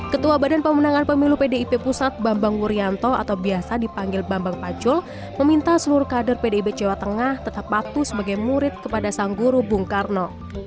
ketua badan pemenangan pemilu pdip pusat bambang wuryanto atau biasa dipanggil bambang pacul meminta seluruh kader pdip jawa tengah tetap patuh sebagai murid kepada sang guru bung karno